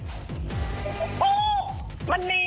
อาจารย์มีคนได้ไปรางวัลที่๑แหละ